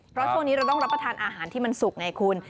เพราะช่วงนี้เราต้องรับประทานอาหารที่มันสุกไงคุณ